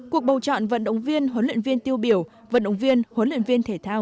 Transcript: cuộc bầu chọn vận động viên huấn luyện viên tiêu biểu vận động viên huấn luyện viên thể thao